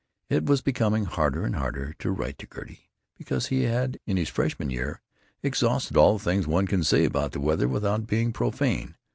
It was becoming harder and harder to write to Gertie, because he had, in freshman year, exhausted all the things one can say about the weather without being profane.